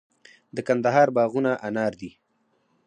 د کندهار باغونه انار دي